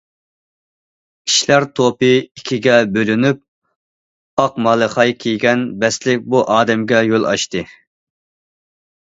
كىشىلەر توپى ئىككىگە بۆلۈنۈپ، ئاق مالىخاي كىيگەن، بەستلىك بۇ ئادەمگە يول ئاچتى.